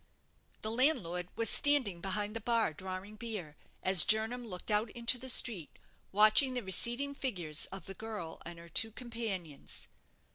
The landlord was standing behind the bar, drawing beer, as Jernam looked out into the street, watching the receding figures of the girl and her two companions.